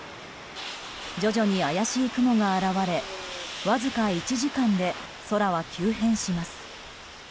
徐々に怪しい雲が現れわずか１時間で空は急変します。